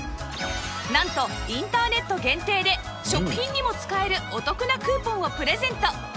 なんとインターネット限定で食品にも使えるお得なクーポンをプレゼント